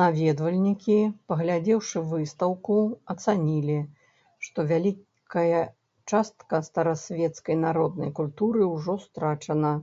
Наведвальнікі, паглядзеўшы выстаўку, ацанілі, што вялікая частка старасвецкай народнай культуры ўжо страчана.